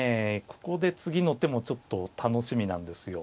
ここで次の手もちょっと楽しみなんですよ。